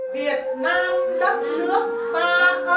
việt nam đất nước ta ơi